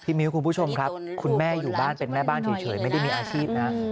มิ้วคุณผู้ชมครับคุณแม่อยู่บ้านเป็นแม่บ้านเฉยไม่ได้มีอาชีพนะ